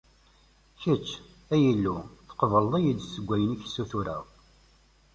Kečč, ay Illu, tqebbleḍ-iyi-d deg wayen i ak-ssutureɣ.